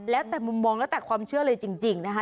แล้วแต่มุมมองแล้วแต่ความเชื่อเลยจริงนะคะ